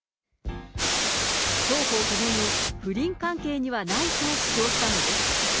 双方ともに不倫関係にはないと主張したのです。